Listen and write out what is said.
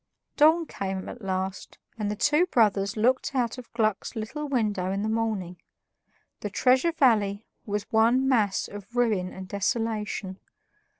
Dawn came at last, and the two brothers looked out of Gluck's little window in the morning. The Treasure Valley was one mass of ruin and desolation.